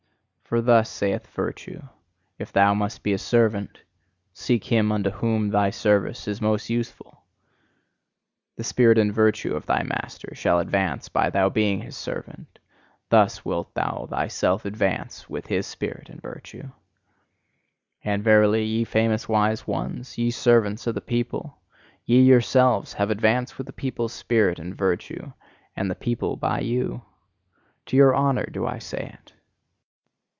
For thus saith virtue: "If thou must be a servant, seek him unto whom thy service is most useful! The spirit and virtue of thy master shall advance by thou being his servant: thus wilt thou thyself advance with his spirit and virtue!" And verily, ye famous wise ones, ye servants of the people! Ye yourselves have advanced with the people's spirit and virtue and the people by you! To your honour do I say it!